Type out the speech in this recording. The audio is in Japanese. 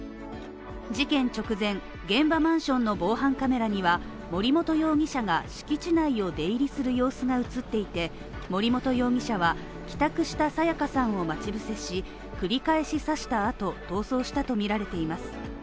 事件直前、現場マンションの防犯カメラには森本容疑者が敷地内を出入りする様子が映っていて、森本容疑者は帰宅した彩加さんを待ち伏せし、繰り返し刺した後、逃走したとみられています。